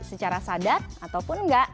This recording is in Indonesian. secara sadar ataupun enggak